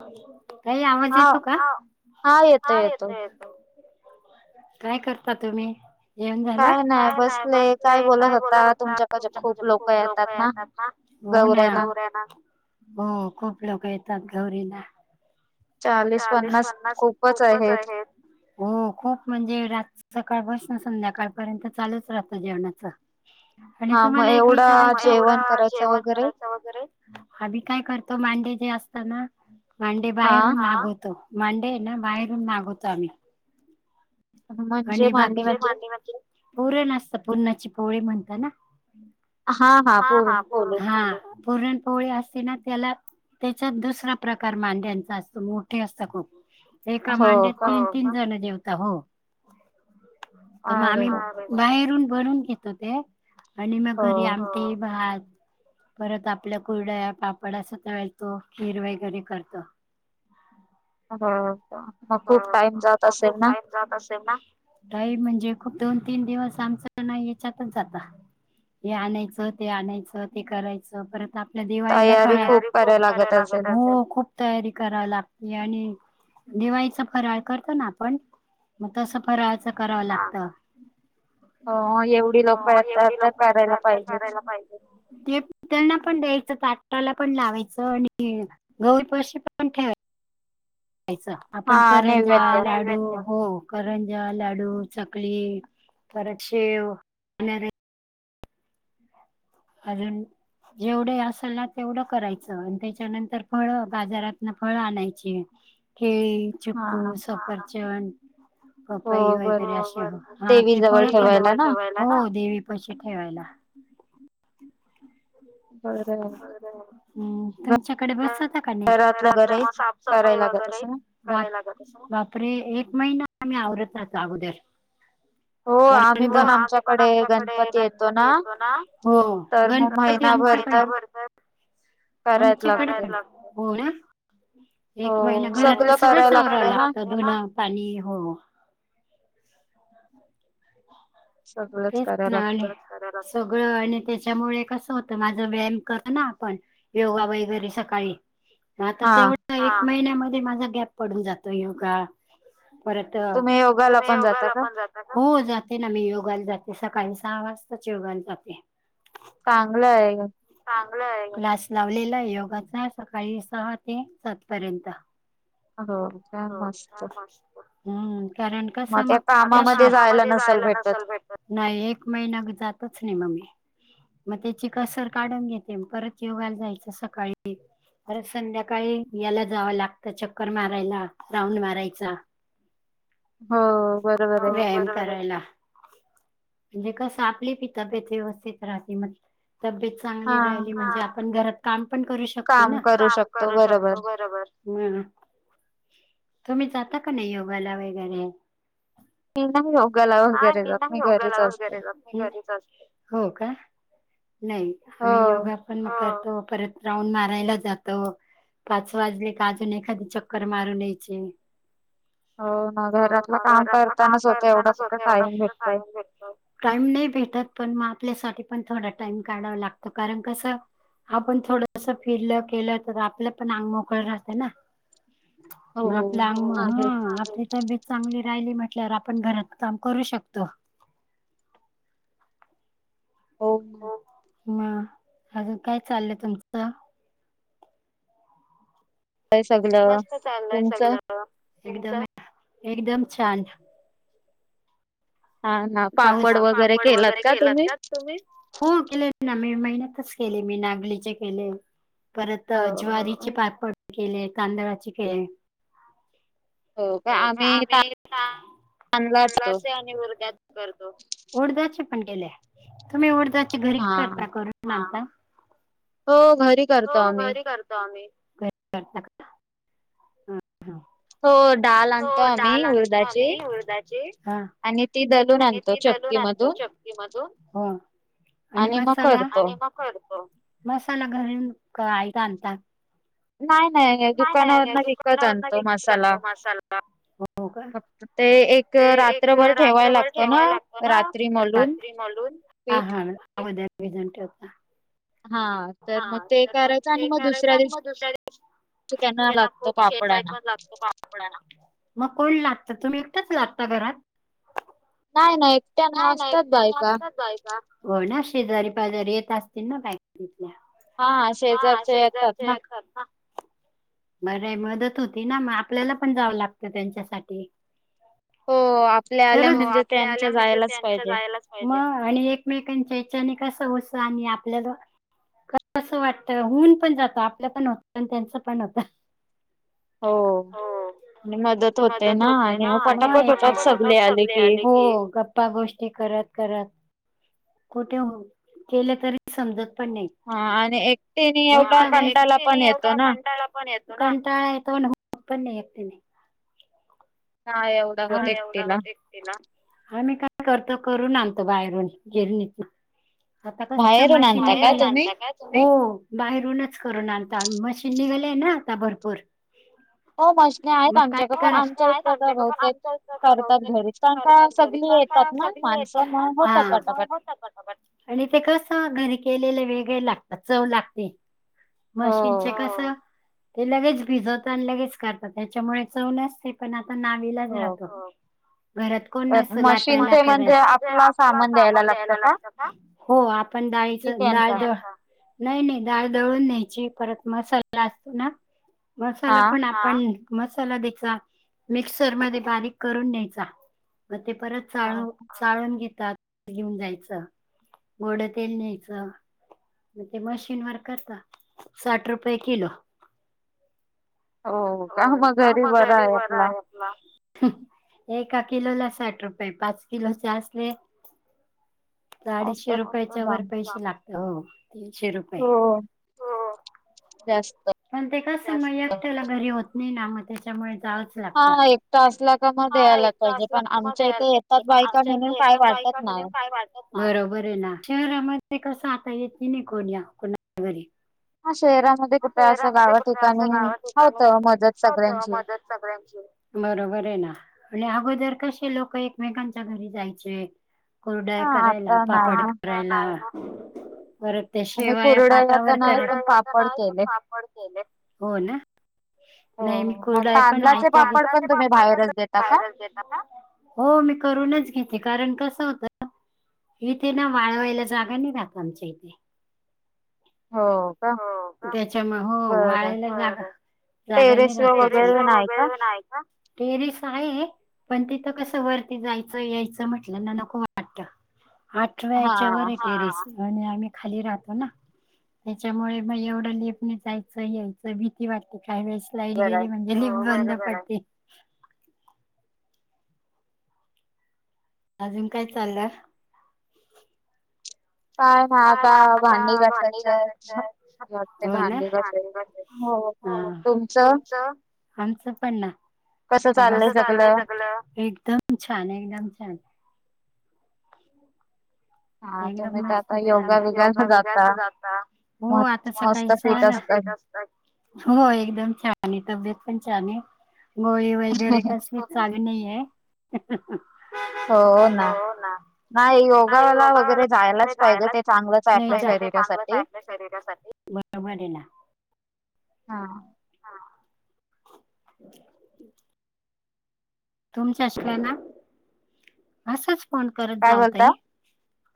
काही आवाज हा येतो का हा येतोय येतोय येतो-येतो. काय करता तुम्ही? जेवण झालं काय नाही बसले काय बोलत होता तुमच्याक माझे खूप लोक येत आ ना. हो ना गौऱ्यांना हो खूप लोक येतात गौरीना. चाळीस पन्नास खूपच आहेत. हो खूप म्हणजे रात सकाळ बस ना संध्याकाळपर्यंत चालूच राहत जेवणाच. आणि हा मग तुम्हाला एक विचारा एवढं जेवण येवढं करायचं जेवण वगैरे करायचं वगैरे आम्ही काय करतो मांडे जे असत ना मांडे हा बाहेरून मागवतो. मांडे ना बाहेरून मागवतो आम्ही. म्हणजे आणि मांडली बाकी म्हणजे पुरण असत पुरणाची पोळी म्हणत ना. हा हा पूर्ण हा-हा बोलू पुरणपोळी असते ना त्याला त्याच्यात दुसरा प्रकार मांड्यांचा असतो मोठे असत खूप. एका हो मांड्यात का तीन-तीन जण जेवतात हो. तर मग अरे आम्ही बापरे बाहेरून बनून घेतो ते. आणि मग हो घरी आमटी भात. परत आपल्या कुरडया पापड अस ताळयचो खीर वगैरे करतो. हो का. मग हां खूप हां, टाइम जात मग असेल खूप ना टाइम जात असेल ना. काही म्हणजे, कुठं दोन तीन दिवस आमचं याच्यातच जातात. हे आणायचं ते आणायचं ते करायचं, परत आपल्या दिवाळीला तयारी खूप कराय लागत, हो खूप तयारी करा लागली आणि दिवाळीचा फराळ करतो ना आपण, तसं फराळाच करावं लागत. हो एवढी लोक हो, येतात एवढी तर लोकं करायला येतात तर पाहिजेच करायला पाहिजे. ते त्यांना पण द्यायचं ताटाला पण लावायचं, आणि गौर पशी पण ठेवायच.. खायचं, हा आपण करंज्या नैवेद्य लाडू हो करंज्या, लाडू, चकली, परत शेव अजून जेवढे असेल ना तेवढं करायचं, त्याच्यानंतर फळं बाजारातनं फळं आणायची. केळ, हा चिक्कु, सफरचंद. हो पपई वगैरे बरोबर असं, हा देवी ते जवळ पण ठेवायला जवळ ना ठेवाय हो देवी पशी ठेवायला. ययय बरंय. हम्म, तुमच्याकडे बसवता का नाही, घरात वगैरे घरातलं मग कराय साफसफाई लागत वगैरे असं ना बापरे एक महिना आम्ही आवरत होतो अगोदर. हो आम्ही पण आमच्याकडे गणपती येतो ना, हो, तर मग गणपती महिनाभर तर आमच्याकडे, करायच आमच्याकडे, लागते हो ना एक महिना हो घरातलं सगळं करायला सगळंच आवरावं लागते ना लागतं धुन पाणी, हो. सगळंच तेच करायला लागतं ना सगळं आणि त्याच्यामुळे कसं होतं, माझं व्यायाम करू ना आपण योगा वगैरे सकाळी आता हा तेवढा एक महिन्यामध्ये माझा गॅप पडून जातो योगा. परत, तुम्ही योगाला तुम्ही पण जाता योगाला का पण जात ता, हो जाते ना मी योगाला जाते, सकाळी सहा वाजताच योगाला जाते. चांगलय. चांगला आहे, क्लास लावलेला आहे योगाचा सकाळी सहा ते सात पर्यंत. हो. काय होत मस्त नाही पॉसीबल, कारण कसं मग कामामध्ये जायला नसेल भेट नाही, एक महिना जातच नाही मग मी. मग त्याची कसर काढून घेते, परत योगाला जायचं सकाळी परत संध्याकाळी, याला जावं लागतं, चक्कर मारायला, राऊंड मारायचा. हो बरोबर हो आहे. व्यायाम करायला म्हणजे कसं आपली बी तब्येत व्यवस्थित राहते, तब्येत हा चांगली राहिली म्हणजे आपण घरात काम पण करू शकतो ना, काम करू शकतो बरोबर. हम्म, तुम्ही जाता का नाही योगाला वगैरे? त रोगाला हां, मी नाही योगाला वगैरे जात. हो का, नाही, आम्ही हो योगा पण करतो परत राऊंड मारायला जातो, पाच वाजले का अजून एखादी चक्कर मारून यायची. हो ना, हो घरातलं काम काम करतानाच होतं एवढं करतानाच कुठं होतं एवढा टाइम कुठं भेटतोय. टाइम भेटतो. टाईम नाही भेटत, पण मग आपल्यासाठी पण थोडा टाइम काढावा लागतो, कारण कसं आपण थोडस फिरलं, केलं, तर आपलं पण अंग मोकळ राहतं ना. हो म आपल्या अंग म आहे. हं आपली तब्येत चांगली राहिली म्हटल्यावर आपण घरातल काम करू शकतो हो म, अजून काय चाललंय तुमचं? हाय सगळ, तुमचं? एकदम, एकदम छान. पापड वगैरे केलात का? हो केलेत ना, मे महिन्यातच केले मी नागलीचे केले. परत हो ज्वारीचे का पापड केले, तांदळाचे केले. हो का, आम्ही ता - तांदळाचा असतो. तांदळाचे आणि उडदाचे करतो. उडदाचे पण केले, तुम्ही उडदाचे घरी हा. करता? करून आनता? हो घरी हो करतो आम्ही. घरी करतो आम्ही. हां हां. हो डाल हो डाल आणतो आम्ही, उडदाची आणि ती दलून आणि आणतो ती दलून चक्की आणतो मधून चक्की मधून आणि मग मसाला? करतो. मसाला घरून [unintelligible] आणता? नाही नाही नाही दुकानावरन विकत दुकानावरन आणतो विकतच मसाला. आणतो मसाला हो का? फक्त ते एक ते एक रात्रभर ठेवाय रात्रभर लागतो ना ठेवायला लागत ना, रात्री मलून रात्री मळून हा पीठ हा म्हणजे भिजवून ठेवता? हा, तर मग हा ते करायचं ते आणि म करायचं दुसऱ्या दिवशी [unintelligible] तो दिवशी त्याना त्यांना लागतो खूप पापड चेचाई आणा. पण लागतो मग कोण लाटतं? तुम्ही एकट्याच लाटता घरात? नाही नाही एकट्या नाही असत्यात बायका. बायका. हो ना, शेजारी पाजारी येत असतील ना बायका तिथल्या? हा शेजारच्या येतात ना. बरं य मदत होती ना, म आपल्याला पण जावं लागतं त्यांच्यासाठी. हो, आपल्या आल्या हो, म्हणजे आपल्या त्यांच्या आल्या म्हणजे जायलाच त्यांच्या पाहिजे. जायलाच म आणि ऐकमेकिंच्या इचेनी कसं होतं, आणि आपल्याला करावस वाटत, हुन पण जात, आपलं पण होत आणि त्यांचं पण होत. हो. आणि मदत होते ना, आणि पटापट होतात सगले आले की. गप्पा गोष्टी करत करत कुठे केलं तरी समजत पण नाही. हां आणि एकटीने एवढा कंटाला पण एकटिने येतो एवढं ना. कंटाळा पण येत कंटाळा येतो, हुतं पण नाही ऐकटिने. नाय आव आम्ही काय करतो करून आणतो बाहेरून, गिरणीतुन. आणता का बाहेरून तुम्ही? आणता काय? हो, बाहेरूनच करून आणतो आम्ही, मशीन निघलेय ना आता भरपूर. हो, मशनी आहेत आमच्याकडे हो पण, करा मशनी आमच्या आहेत इथ आमच्याकडे पण बहुतेक आमच्या इथं तर करतात बहुतेक घरीच, कारण करतात का सगळी पण काय येतात ना सगळी माणसं येतात ना हा. म्हणून होतात माणसं पटापट. मग आणि ते कसं घरी केलेले वेगळे लागतात चव लागते मशीनचे हो. कस ते लगेच भिजवता आणि लगेच करतात त्याच्यामुळे चव नसते पण आता नाईलाज हो राहतो घरात कोण नसत लाटायला मशीनचे म्हणजे आपला सामान द्यायला लागतं हो आपण डाळीच कि त्यांचा डाळ नाही नाही डाळ दळून न्यायची परत मसाला असतो ना मसाला हा पण पन मसाला त्याचा मिक्सर मध्ये बारीक करून न्यायचा मग ते परत हा चाळू चाळून घेतात घेऊन जायचं गोड तेल न्यायच म ते मशीन वर करता साठ रुपये किलो हो का मग घरी बर आहे एका किलोला साठ रुपये पाच किलोचे असले आडीचशे असंच रुपयच्या वर काम. पैसे लागत हो तीनशे रुपय हो जास्त पण ते कसं मग एकट्याला घरी होत नाही ना मग त्याच्यामुळे जावंच हा लागतं. हा एक एकटा असला का मग हा द्यायला पाहिजे पण आमच्या इथे एकट्यामध्ये येतात बायका म्हणून काय वाटत बायका नाय म्हणून काय वाटत बरोबर आहे ना शहरामध्ये कसं आता येत बी नाही कोण्या कोणा घरी हा शहरामध्ये कुठ असं शहरामध्ये गावा कुठे असं ठिकाणी गावा होत ठिकाणी मदत होतं सगळ्यांची मदत सगळ्यांची बरोबर आहे ना अगोदर कसे लोक एकमेकांच्या घरी जायचे कुरडया हा करायला आता नाही पापड ना करायला परत ते आणि शेवाया कुरडया तर पाठावर करन नाही पण कुरड्या घातल्या पापड नाहीत पण केले. पापड केलेत हो ना नाही मी हो मग कुड्या पण [inaudible] मग तांदलाचे पापड पण तांदळाचे तुम्ही पापड पण बाहेरच देता का? बाहेरच देता का हो मी करूनच घेते कारण कसं होतं इथे ना वाळवायला जागा नाही राहत आमच्या इथे हो का हो का त्याच्यामुळ हो बरं वाळायला जागा बरोबर जागा नाय टेरेस राहत वर टेरेस वगैरे वर नाही का? वैगरे नाही टेरिस आहे पण तिथं कसं वरती जायचं यायचं म्हटलं ना नको वाटतं आठव्या ह्याच्या वर हा. आहे टेरेस हा आणि आम्ही खाली राहतो ना त्याच्यामुळे मग एवढं लिफ्टनी जायचं यायचं भीती वाटते काहीवेळेस लाईट बर गेली आहे म्हणजे लिफ्ट बंद पडते अजून काय चाललं ना काय म आता भांडी घासायचे आहेत. घासायच वाटते होय नई भांडी घासायचे. हो घासायची ह तुमचं तुमच आमचं पण ना कसं आता कस चाललंय सगळं? सगळ एकदम छान एकदम छान हा एकदम तुम्ही तर मस्त आता योगा बिगाला उद्या जाता सगळ्यांचा हो म आता मस्त सकाळीचा आहे फिट ना असतात. व्हॉट्सॲप स्टेटस हो एकदम छान आहे तब्येत पण छान आहे गोळी वगैरे कसली चालू नाही हाय [inaudible] हो ना नाही नाही योगाला वगैरे योगाला जायलाच पाहिजे ते चांगलंच आहे नाही जा आपल्या पाहिजे ते चांगलंच आहे शरीरासाठी आपल्या शरीरासाठी बरोबर हे ना हा हा तुमच्या शिवाय ना असंच फोन करत काय जाऊ बोलता? ताई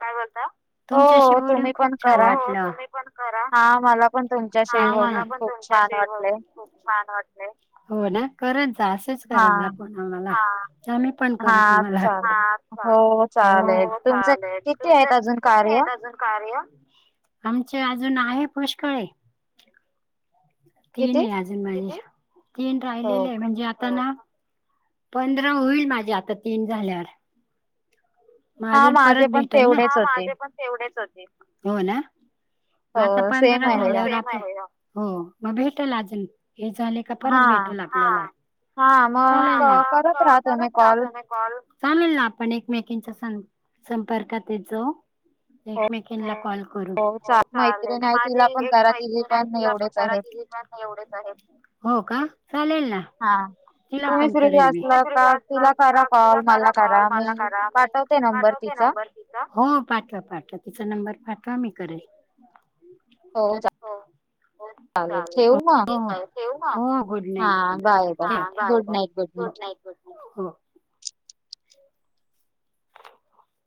काय बोलता तुमच्याशी हो बोलून तुम्ही पण खूप छान करा. वाटलं हो तुम्ही पण करा हा मला पण तुम्ही मला पण तुमच्याशी बोलून छान वाटतंय, हो ना करत जा असच करत हा. जा फोन आम्हाला जाणून पण हा करेल तुम्हाला, चालेल हा चालेल हो चालेल हो तुमचं चालेल किती तुमचं आहेत अजून किती कार्य आहेत अजून कार्य आमचे अजून आहे पुष्कळे किती तीन आहे अजून माझे किती तीन राहिलेले आहे म्हणजे हो का आता ना पंधरा होईल माझे आता तीन झाल्यावर म हा अजून परत माझे पण भेटल ना तेवढेच हा होते माझे पण तेवढेच होते हो ना मग हो आता सेम पंधरा आहे झाल्यावर आपण हो मग भेटल अजून हे झाले का परत हा भेटल आपल्याला हा हा मग चालेल ना क- करत मग राहा तुम्ही करत राहा कॉल तुम्हीच कॉल चालेल ना आपण एकमेकिंच्या सं संपर्कात येत जाऊ हो एकमेकींला कॉल करू चा हो चालेल मैत्रीण आहे तिला माझी पण एक करा तिझी मैत्री हाय तिला पण एवढेच करा आहेत तिजी पण एवढेच आहेत हो का चालेल ना हा तिला तुम्ही पण फ्री करेल मी तुम्ही असला फ्रीच का तिला असलात करा ना तिला कॉल करा मला कॉल मी मला करा पाठवते नंबर तिचा नंबर तिचा हो पाठवा पाठवा तिचा नंबर पाठवा मी करेल हो चालेल ठेवू मग हो हो ठेऊ म आता हो गुड हा नाईट गुड नाईट ठेव बाय हा बाय बाय गुड हो night good night good night हो